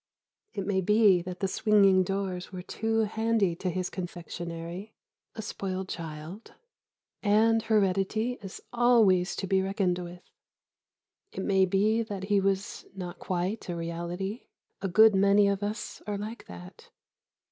It may be that the swinging doors were too handy to his confectionery ... a spoiled child ... and heredity is always to be reckoned with. It may be that he was not quite a reality ... a good many of us are like that....